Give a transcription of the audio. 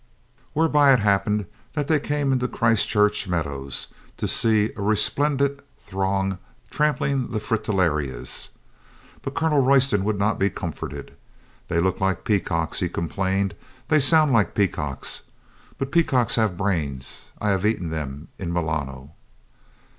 Where by it happened that they came into the Christ Church meadows to see a resplendent throng tram pling the fritillarias. But Colonel Royston would not be comforted. "They look like peacocks," he complained; "they sound like peacocks. But pea cocks have brains. I have eaten them in Milano."